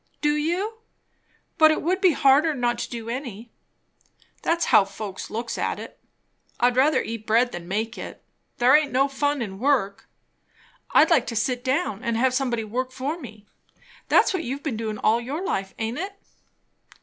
"Do you? But it would be harder not to do any." "That's how folks looks at it. I'd rather eat bread than make it. There aint no fun in work. I'd like to sit down and have somebody work for me. That's what you've been doin' all your life, aint it?"